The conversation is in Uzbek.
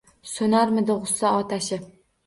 So’narmidi g’ussa otashi —